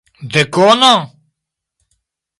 Dekono?